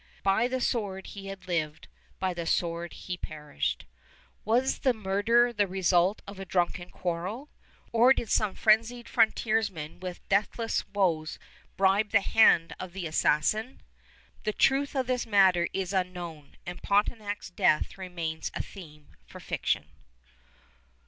By the sword he had lived, by the sword he perished. Was the murder the result of a drunken quarrel, or did some frenzied frontiersman with deathless woes bribe the hand of the assassin? The truth of the matter is unknown, and Pontiac's death remains a theme for fiction.